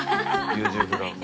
優柔不断。